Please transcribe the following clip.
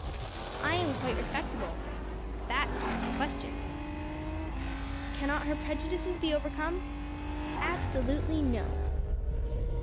"I am quite respectable." "That is not the question." "Cannot her prejudices be overcome?" "Absolutely no."